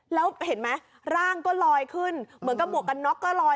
แล้วเห็นไหมร่างก็ลอยขึ้นเหมือนกับหมวกกันน็อกก็ลอย